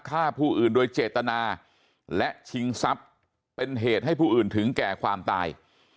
ฆ่าผู้อื่นโดยเจตนาและชิงทรัพย์เป็นเหตุให้ผู้อื่นถึงแก่ความตาย